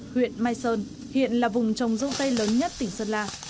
huyện mai sơn hiện là vùng trồng dâu tây lớn nhất tỉnh sơn la